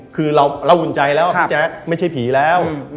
คือเราอุ่นใจแล้วพี่แจ๊คไม่ใช่ผีแล้ว